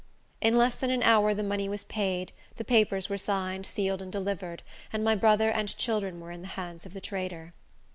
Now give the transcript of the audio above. In less than an hour the money was paid, the papers were signed, sealed, and delivered, and my brother and children were in the hands of the trader.